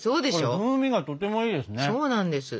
風味がとてもいいですね。